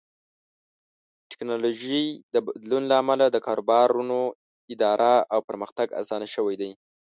د ټکنالوژۍ د بدلون له امله د کاروبارونو اداره او پرمختګ اسان شوی دی.